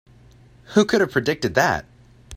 Who could have predicted that?